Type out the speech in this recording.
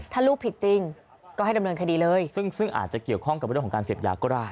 ถ้าลูกผิดจริงก็ให้ดำเนินคดีเลยซึ่งอาจจะเกี่ยวข้องกับเรื่องของการเสพยาก็ได้